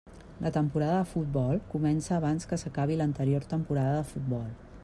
La temporada de futbol comença abans que s'acabi l'anterior temporada de futbol.